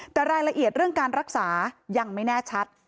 แต่รายละเอียดเรื่องการรักษายังไม่แน่ชัด